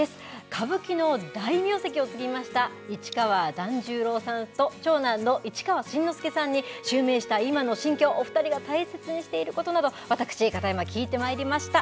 歌舞伎の大名跡を継ぎました、市川團十郎さんと長男の市川新之助さんに襲名した今の心境、お２人が大切にしていることなど、私、片山が聞いてまいりました。